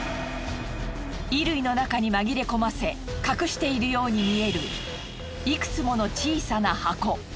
衣類の中に紛れ込ませ隠しているように見えるいくつもの小さな箱。